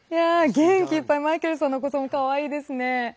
元気いっぱいマイケルさんのお子さんもかわいいですね。